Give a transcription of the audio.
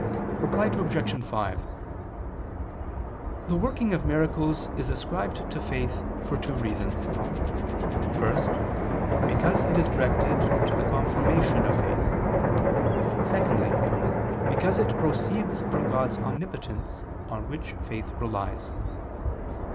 Reply Obj. 5: The working of miracles is ascribed to faith for two reasons. First, because it is directed to the confirmation of faith, secondly, because it proceeds from God's omnipotence on which faith relies.